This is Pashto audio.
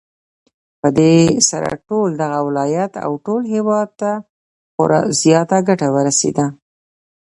پدې سره ټول دغه ولايت او ټول هېواد ته خورا زياته گټه ورسېده